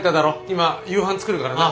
今夕飯作るからな。